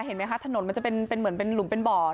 เห็นไหมคะถนนมันจะเป็นเหมือนเป็นหลุมเป็นบ่อ